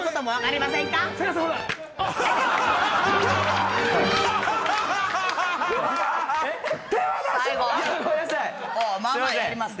まあまあやりますね。